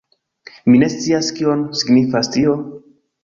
Mi ne scias kion signifas tio?